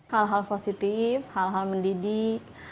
hal hal positif hal hal mendidik